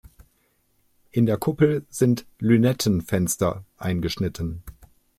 In der Kuppel sind Lünettenfenster eingeschnitten.